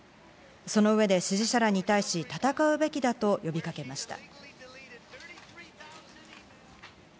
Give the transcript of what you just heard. その上で支持者らに対し、戦うべきだと呼びかけました。